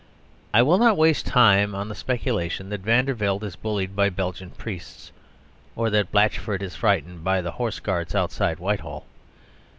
I will not waste time on the speculation that Vandervelde is bullied by Belgian priests; or that Blatchford is frightened of the horse guards outside Whitehall.